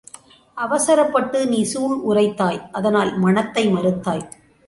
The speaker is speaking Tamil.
அவசரப்பட்டு நீ சூள் உரைத்தாய் அதனால் மணத்தை மறுத்தாய்.